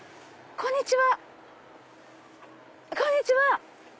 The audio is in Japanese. こんにちは！